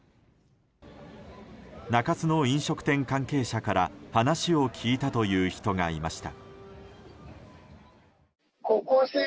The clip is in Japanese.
中洲の飲食店関係者から話を聞いたという人がいました。